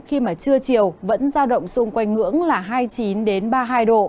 khi mà trưa chiều vẫn giao động xung quanh ngưỡng là hai mươi chín ba mươi hai độ